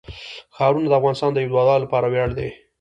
ښارونه د افغانستان د هیوادوالو لپاره ویاړ دی.